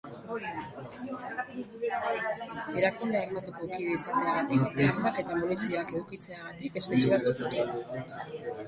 Erakunde armatuko kide izateagatik eta armak eta munizioak edukitzeagatik espetxeratu zuten.